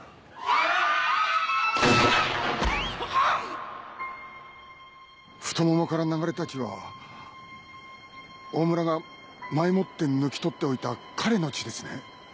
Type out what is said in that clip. あぁっ！太股から流れた血はオオムラが前もって抜き取っておいた彼の血ですね？